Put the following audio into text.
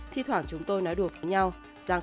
thì thoảng chúng tôi nói đùa với nhau rằng